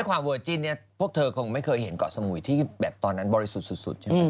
ความเวอร์จิ้นเนี่ยพวกเธอคงไม่เคยเห็นเกาะสมุยที่แบบตอนนั้นบริสุทธิ์สุดใช่ไหม